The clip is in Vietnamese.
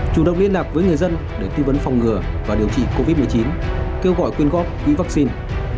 chủ động liên lạc với người dân để tư vấn phòng ngừa và điều trị covid một mươi chín kêu gọi quyên góp quỹ vaccine